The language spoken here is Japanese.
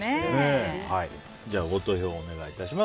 ご投票をお願いします。